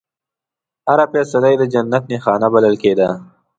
هره فیصله یې د جنت نښانه بلل کېدله.